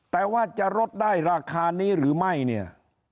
แต่ว่าจะลดได้ราคานี้หรือไม่เนี่ย